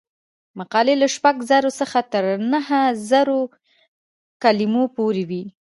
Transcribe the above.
مقالې له شپږ زره څخه تر نهه زره کلمو پورې وي.